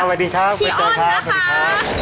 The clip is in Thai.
สวัสดีครับพี่อ้อนนะคะ